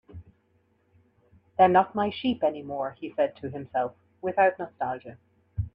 "They're not my sheep anymore," he said to himself, without nostalgia.